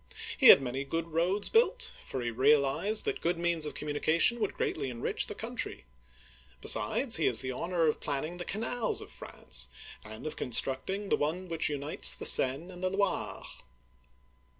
He had many good roads built, for he realized that good means of communication 'would greatly enrich the country. Besides, he has the honor of planning the canals of France, and of constructing the one which unites the Seine and the Loire.